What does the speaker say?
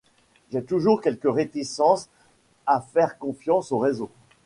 j'ai toujours quelque réticence à faire confiance aux réseaux.